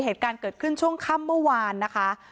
เหตุการณ์เกิดขึ้นช่วงค่ำเมื่อวานนะคะ